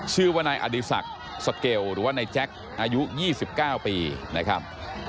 ชื่อว่าในอดีศักดิ์สเกลหรือว่าในแจ๊คอายุยี่สิบเก้าปีนะครับ